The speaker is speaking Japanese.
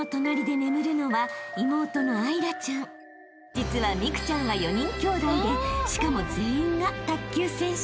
［実は美空ちゃんは４人きょうだいでしかも全員が卓球選手］